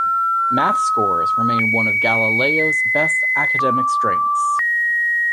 Math scores remain one of Galileo's best academic strengths.